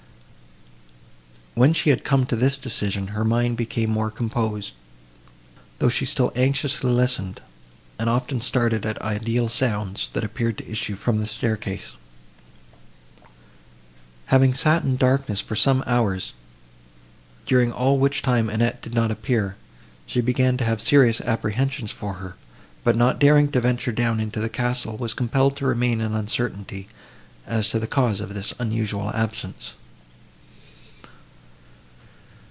When she had come to this decision, her mind became more composed, though she still anxiously listened, and often started at ideal sounds, that appeared to issue from the staircase. Having sat in darkness for some hours, during all which time Annette did not appear, she began to have serious apprehensions for her; but, not daring to venture down into the castle, was compelled to remain in uncertainty, as to the cause of this unusual absence.